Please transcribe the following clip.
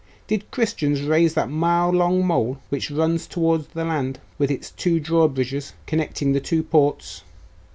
Did Christians raise that mile long mole which runs towards the land, with its two drawbridges, connecting the two ports?